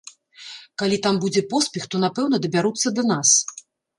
Калі там будзе поспех, то, напэўна, дабяруцца да нас.